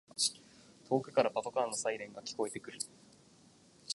遠くからパトカーのサイレンが聞こえてくる